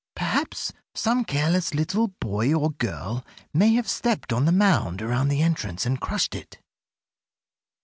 Perhaps some careless little girl or boy may have stepped on the mound around the entrance and crushed it.